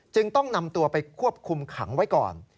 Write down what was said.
ต้องนำตัวไปควบคุมขังไว้ก่อน